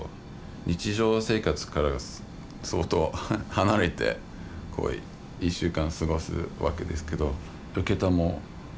日常生活から相当離れて１週間過ごすわけですけど。